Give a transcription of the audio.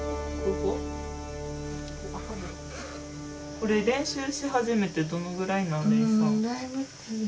これ練習し始めてどのぐらいなん？